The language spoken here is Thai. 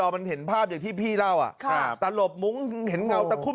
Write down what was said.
มันเห็นภาพอย่างที่พี่เล่าตลบมุ้งเห็นเงาตะคุ่ม